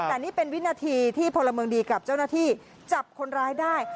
แต่นี่เป็นวินาทีที่พลเมืองดีกับเจ้าหน้าที่จับคนร้ายได้